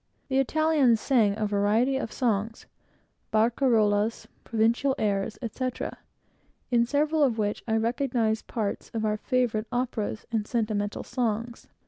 The Italians sang a variety of songs barcarollas, provincial airs, etc.; in several of which I recognized parts of our favorite operas and sentimental songs.